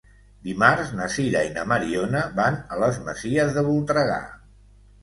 Dimarts na Sira i na Mariona van a les Masies de Voltregà.